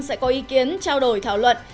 sẽ có ý kiến trao đổi thảo luận